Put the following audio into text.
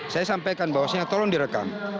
saya sampaikan bahwasannya tolong direkam